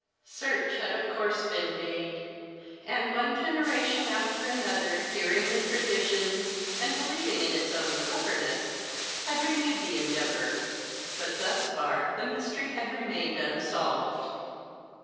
Search had of course been made, and one generation after another, hearing the traditions, and believing in its own cleverness, had renewed the endeavor, but thus far the mystery had remained unsolved.